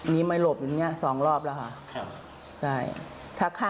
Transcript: มีไม้หลบอยู่นี่สองรอบเหรอคะ